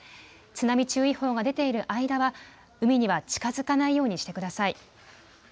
津波注意報が出ている間は海には近づかないようにしてください。